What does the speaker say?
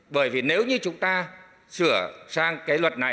bởi vì nếu như chúng ta sửa sang cái luật này